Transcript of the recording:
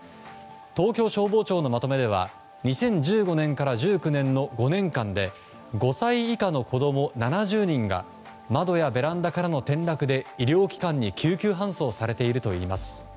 東京消防庁のまとめでは２０１５年から１９年の５年間で５歳以下の子供７０人が窓やベランダからの転落で医療機関に救急搬送されているといいます。